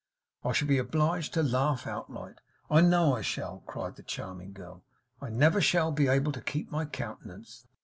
I shall be obliged to laugh outright, I know I shall!' cried the charming girl, 'I never shall be able to keep my countenance.